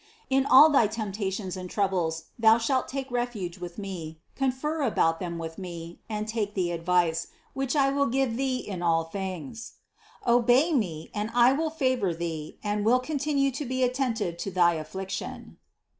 In all thy temptations and troubles thou shalt take refuge with me, confer about them with me, and take the advice, which I will give thee in all things. Obey me, and I will favor thee and will continue to be attentive to thy afflic tion."